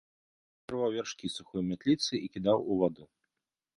Ён ірваў вяршкі сухой мятліцы і кідаў у ваду.